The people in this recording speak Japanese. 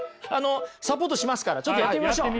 サポートしますからちょっとやってみましょう。